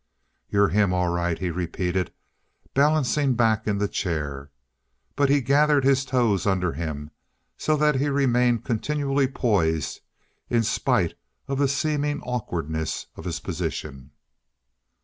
"You're him, all right," he repeated, balancing back in the chair. But he gathered his toes under him, so that he remained continually poised in spite of the seeming awkwardness of his position.